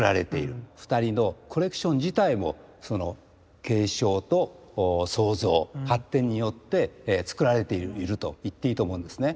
２人のコレクション自体も継承と創造発展によって作られているといっていいと思うんですね。